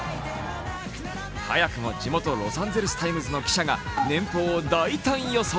早くも地元「ロサンゼルス・タイムズ」の記者が年俸を大胆予想。